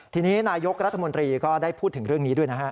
ทีนี้นายกรัฐมนตรีก็ได้พูดถึงเรื่องนี้ด้วยนะฮะ